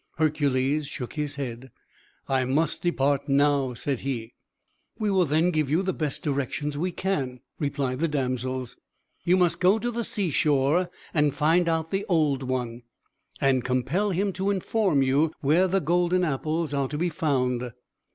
Hercules shook his head. "I must depart now," said he. "We will then give you the best directions we can," replied the damsels. "You must go to the seashore, and find out the Old One, and compel him to inform you where the golden apples are to be found."